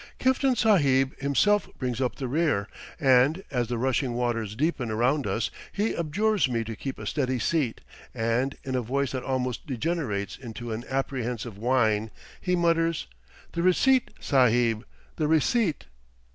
Kiftan Sahib himself brings up the rear, and, as the rushing waters deepen around us, he abjures me to keep a steady seat and, in a voice that almost degenerates into an apprehensive whine, he mutters: "The receipt, Sahib, the receipt."